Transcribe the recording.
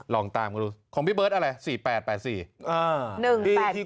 ลองตามกันดูของพี่เบิร์ตอะไร๔๘๘๔